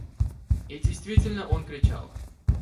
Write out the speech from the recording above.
И действительно, он кричал.